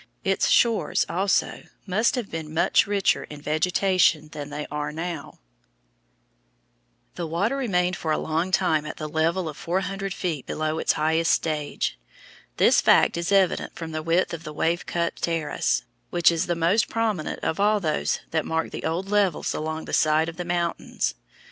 Its shores, also, must have been much richer in vegetation than they are now. [Illustration: FIG. 54. RED ROCK PASS, SOUTHERN IDAHO Outlet of Lake Bonneville] The water remained for a long time at the level of four hundred feet below its highest stage. This fact is evident from the width of the wave cut terrace, which is the most prominent of all those that mark the old levels along the sides of the mountains.